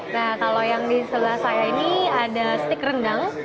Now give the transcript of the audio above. nah kalau yang di sebelah saya ini ada stik rendang